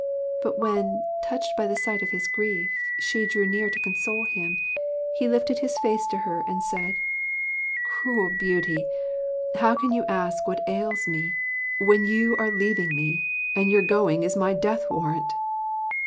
But when, touched by the sight of his grief, she drew near to console him, he lifted his face to her and said: 'Cruel Beauty, how can you ask what ails me? when you are leaving me, and your going is my death warrant!'